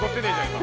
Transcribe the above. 今。